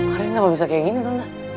karin kenapa bisa kayak gini tante